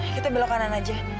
kita belok kanan aja